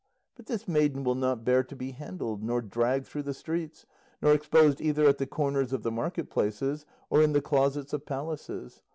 But this maiden will not bear to be handled, nor dragged through the streets, nor exposed either at the corners of the market places, or in the closets of palaces.